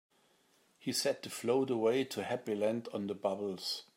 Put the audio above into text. He said to float away to Happy Land on the bubbles.